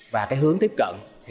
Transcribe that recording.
và cái hướng tiếp cận